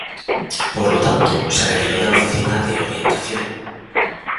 Por lo tanto, se retiró de la oficina de orientación.